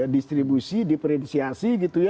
distribusi diferensiasi gitu ya